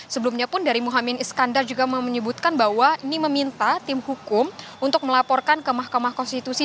sebelumnya pun dari muhammad iskandar juga menyebutkan bahwa ini meminta tim hukum untuk melaporkan ke mahkamah konstitusi